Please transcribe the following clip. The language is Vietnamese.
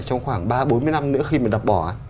trong khoảng ba bốn mươi năm nữa khi mà đập bỏ ấy